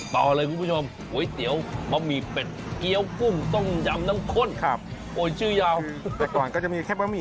ต่อเลยคุณผู้ชม